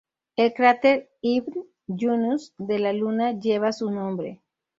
El cráter Ibn Yunus de la Luna lleva su nombre.